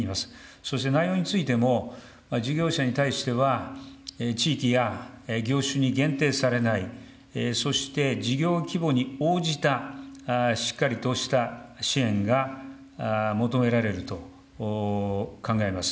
そして内容についても、事業者に対しては、地域や業種に限定されない、そして事業規模に応じたしっかりとした支援が求められると考えます。